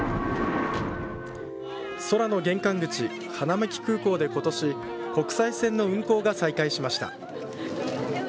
空の玄関口、花巻空港で今年国際線の運航が再開しました。